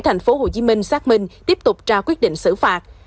tp hcm xác minh tiếp tục ra quyết định xử phạt